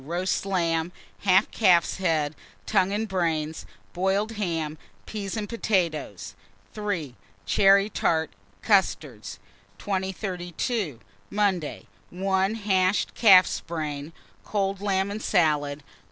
Roast lamb, half calf's head, tongue and brains, boiled ham, peas and potatoes. 3. Cherry tart, custards. 2032. Monday. 1. Hashed calf's head, cold lamb and salad.